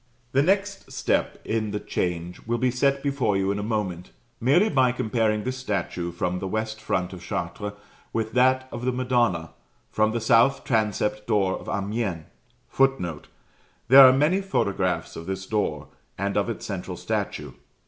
The next step in the change will be set before you in a moment, merely by comparing this statue from the west front of Chartres with that of the Madonna, from the south transept door of Amiens. [Footnote: There are many photographs of this door and of its central statue.